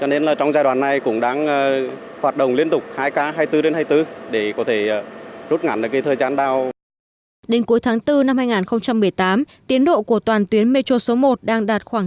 đến cuối tháng bốn năm hai nghìn một mươi tám tiến độ của toàn tuyến metro số một đang đạt khoảng năm mươi hai